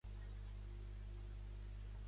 Aquesta gent va ser coneguda com els Erthers.